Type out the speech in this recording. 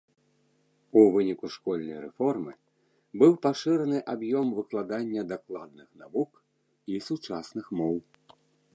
У выніку школьнай рэформы быў пашыраны аб'ём выкладання дакладных навук і сучасных моў.